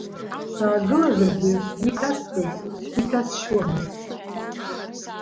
Саагылазаргьы, сгәы иҭаскыз, сгәы иҭас-шьуамызт.